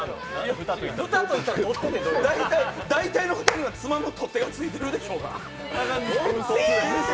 大体の蓋には取っ手がついてるでしょうが。